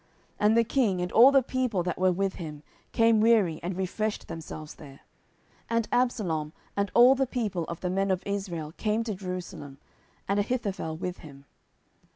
10:016:014 And the king, and all the people that were with him, came weary, and refreshed themselves there. 10:016:015 And Absalom, and all the people the men of Israel, came to Jerusalem, and Ahithophel with him.